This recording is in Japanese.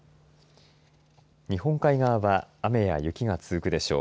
日本海側は雨や雪が続くでしょう。